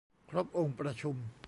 ครบองค์ประชุม